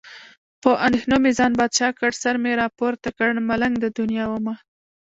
په اندېښنو مې ځان بادشاه کړ. سر مې راپورته کړ، ملنګ د دنیا ومه.